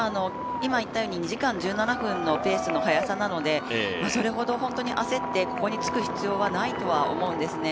ただ、２時間１７分のペースの速さなのでそれほど本当に焦ってここにつく必要はないとは思うんですね。